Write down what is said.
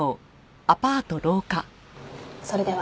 それでは。